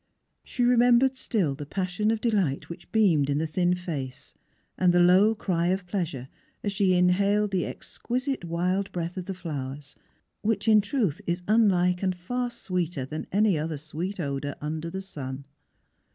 She remembered still the passion of delight which beamed in the thin face, and the low cry of pleasure, as she inhaled the exquisite wild breath, of the flowers, — which, in truth, is unlike and far sweeter than any other sweet odour under the sun.